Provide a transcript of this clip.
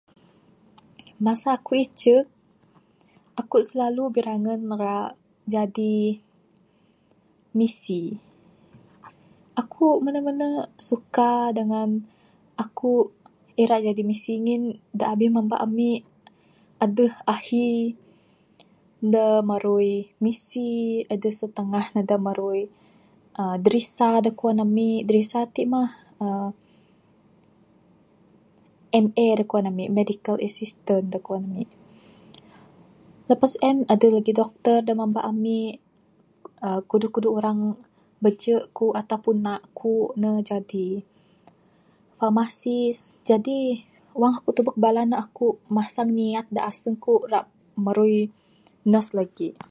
Masa aku icek, aku silalu birangen ra jadi misi, aku mene mene suka dangan aku ira jadi misi ngin da abih mamba ami adeh ahi de merui misi tangah ne da marui drisa da kuan ami. Drisa ti meh uhh MA da kuan ami medical assistant da kuan ami. Lepas en adeh da doctor kuan mamba ami kuduh kuduh urang bejek ku ne Jadi pharmacist jadi wang aku tubek bala ne aku masang niat da aseng ku ra marui nurse lagih.